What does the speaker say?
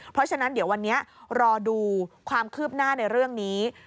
เพราะฉะนั้นเดี๋ยววันนี้รอดูความคืบหน้าในเรื่องนี้